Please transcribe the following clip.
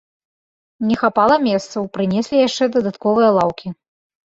Не хапала месцаў, прынеслі яшчэ дадатковыя лаўкі.